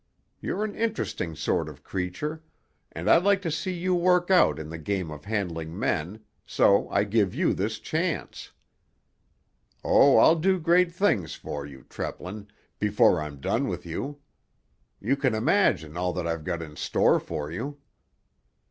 You're an interesting sort of creature, and I'd like to see you work out in the game of handling men, so I give you this chance. Oh, I'll do great things for you, Treplin, before I'm done with you! You can imagine all that I've got in store for you."